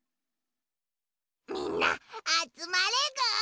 みんなあつまれぐ！